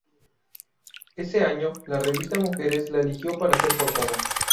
Ese año, la revista Mujeres la eligió para ser portada.